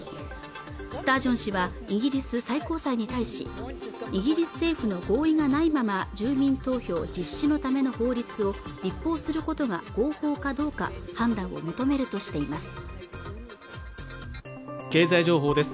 スタージョン氏はイギリス最高裁に対しイギリス政府の合意がないまま住民投票実施のための法律を立法することが合法かどうか判断を求めるとしています